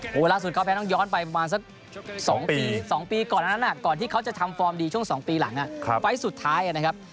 โอ้โหล่าสุดเขาแพ้ต้องย้อนไปประมาณสัก๒ปีก่อนนั้นก่อนที่เขาจะทำฟอร์มดีช่วง๒ปีหลังไฟล์สุดท้ายนะครับ